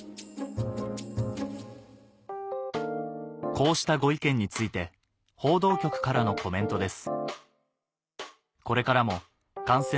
こうしたご意見について報道局からのコメントです